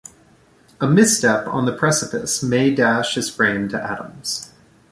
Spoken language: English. A misstep on the precipice may dash his frame to atoms.